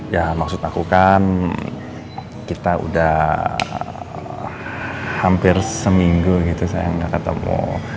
ya maksud aku kan kita udah hampir seminggu gitu saya nggak ketemu